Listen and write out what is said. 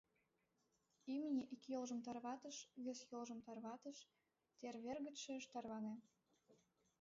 Имне ик йолжым тарватыш, вес йолжым тарватыш, тер вер гычше ыш тарване.